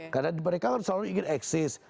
karena mereka kan selalu ingin eksis